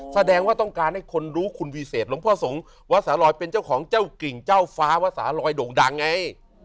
แสดงว่าต้องการให้คนรู้คุณวิเศษหลวงพ่อสงฆ์วัดสาลอยเป็นเจ้าของเจ้ากิ่งเจ้าฟ้าว่าสาลอยโด่งดังไง